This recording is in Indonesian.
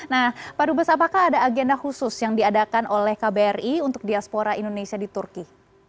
nah pak dubes apakah ada agenda khusus yang diadakan oleh kbri untuk diaspora indonesia di turki